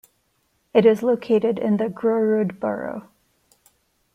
It is located in the Grorud borough.